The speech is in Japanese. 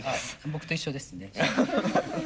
僕と一緒ですねじゃあ。